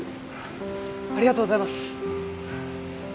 ありがとうございます。